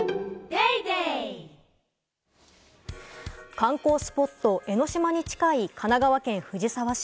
観光スポット・江の島に近い、神奈川県藤沢市。